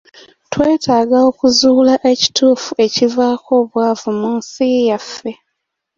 Twetaaga okuzuula ekituufu ekivaako obwavu mu nsi yaffe.